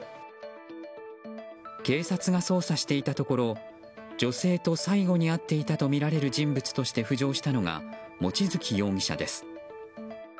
警察が捜査していたところ女性と最後に会っていたとみられる人物として浮上したのが望月容疑者です。